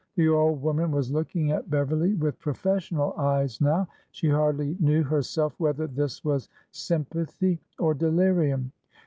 The old woman was looking at Beverly with professional eyes now. She hardly knew herself whether this was sympathy or de lirium.